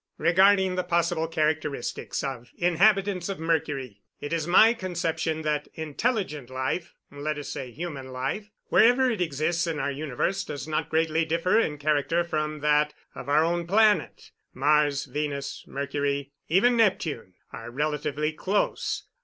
"Regarding the possible characteristics of inhabitants of Mercury, it is my conception that intelligent life let us say, human life wherever it exists in our universe does not greatly differ in character from that of our own planet. Mars, Venus, Mercury, even Neptune, are relatively close.